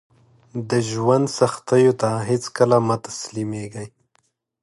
د ژوند سختیو ته هیڅکله مه تسلیمیږئ